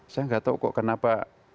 saya gak tau kok kenapa